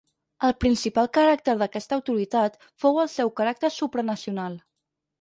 El principal caràcter d'aquesta autoritat fou el seu caràcter supranacional.